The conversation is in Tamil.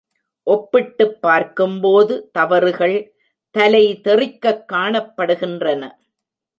ஒப்பிட்டுப் பார்க்கும்போது தவறுகள் தலைதெறிக்கக் காணப்படுகின்றன.